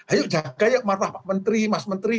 ayo jaga ya marah pak menteri mas menteri